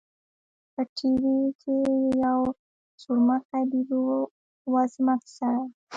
په ټي وي کښې يو سورمخى بيزو وزمه سړى.